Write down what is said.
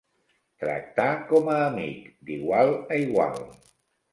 Tractar com a amic, d'igual a igual.